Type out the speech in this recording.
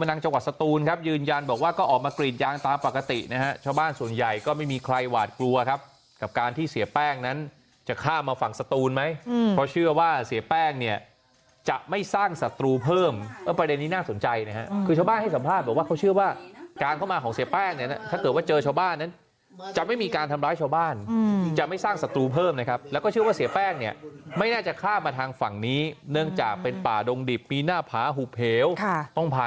มาฝั่งสตูนไหมเขาเชื่อว่าเสียแป้งเนี่ยจะไม่สร้างสตูเพิ่มประเด็นนี้น่าสนใจนะครับคือชาวบ้านให้สัมภาษณ์บอกว่าเขาเชื่อว่าการเข้ามาของเสียแป้งเนี่ยถ้าเกิดว่าเจอชาวบ้านจะไม่มีการทำร้ายชาวบ้านจะไม่สร้างสตูเพิ่มนะครับแล้วก็เชื่อว่าเสียแป้งเนี่ยไม่น่าจะข้ามมาทางฝั่งนี้เนื่องจากเป็นป่า